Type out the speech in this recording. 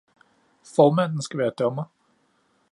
Formanden skal være dommer